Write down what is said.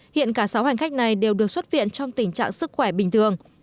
hiện cả sáu hành khách này đều được xuất viện trong tình trạng sức khỏe bình thường